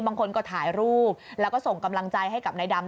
บางคนก็ถ่ายรูปแล้วก็ส่งกำลังใจให้กับนายดำ